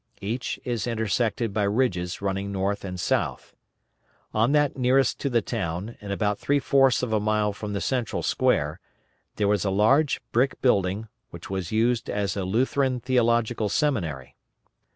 Each is intersected by ridges running north and south. On that nearest to the town, and about three fourths of a mile from the central square, there is a large brick building, which was used as a Lutheran Theological Seminary.